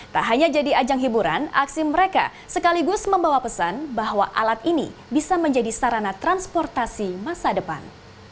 tak hanya jadi ajang hiburan aksi mereka sekaligus membawa pesan bahwa alat ini bisa menjadi sarana transportasi masa depan